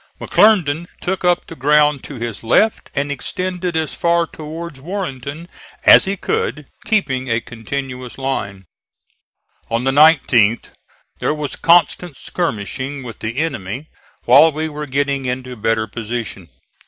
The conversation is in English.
McClernand took up the ground to his left and extended as far towards Warrenton as he could, keeping a continuous line. On the 19th there was constant skirmishing with the enemy while we were getting into better position.